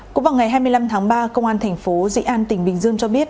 cũng vào ngày hai mươi năm tháng ba công an thành phố dị an tỉnh bình dương cho biết